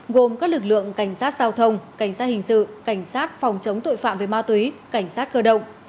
gồm các lực lượng cảnh sát giao thông cảnh sát hình sự cảnh sát phòng chống tội phạm về ma túy cảnh sát cơ động